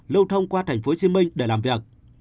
lưu thông qua tp hcm để làm việc